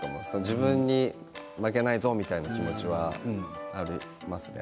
自分に負けないぞという気持ちはありますね。